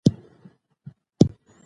هغوی په ډېر سوق کتابونه لوستل.